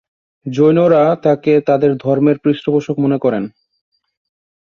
জৈনরা তাঁকে তাঁদের ধর্মের পৃষ্ঠপোষক মনে করেন।